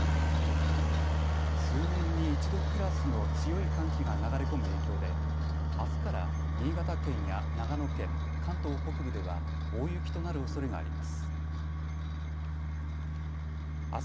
数年に一度クラスの強い寒気が流れ込む影響であすから新潟県や長野県、関東北部では大雪となるおそれがあります。